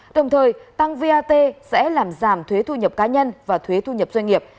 đồng thời tăng vat sẽ làm giảm thuế thu nhập cá nhân và thuế thu nhập doanh nghiệp